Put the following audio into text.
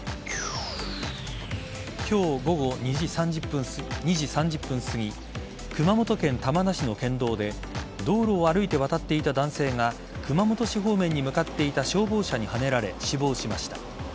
今日午後２時３０分すぎ熊本県玉名市の県道で道路を歩いて渡っていた男性が熊本市方面に向かっていた消防車にはねられ死亡しました。